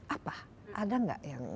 apa ada gak yang